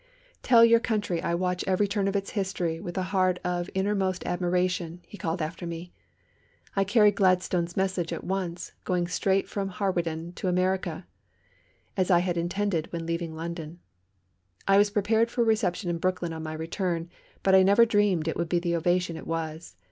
"Tell your country I watch every turn of its history with a heart of innermost admiration," he called after me. I carried Gladstone's message at once, going straight from Hawarden to America, as I had intended when leaving London. I was prepared for a reception in Brooklyn on my return, but I never dreamed it would be the ovation it was.